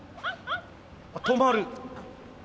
あ止まる。